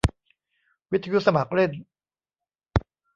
วิทยุสมัครเล่น